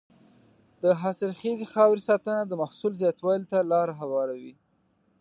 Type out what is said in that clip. د حاصلخیزې خاورې ساتنه د محصول زیاتوالي ته لاره هواروي.